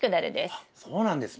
あっそうなんですね。